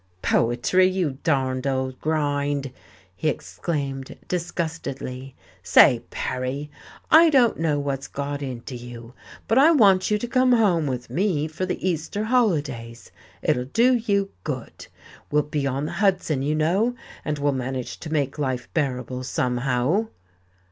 "Poetry, you darned old grind!" he exclaimed disgustedly. "Say, Parry, I don't know what's got into you, but I want you to come home with me for the Easter holidays. It'll do you good. We'll be on the Hudson, you know, and we'll manage to make life bearable somehow."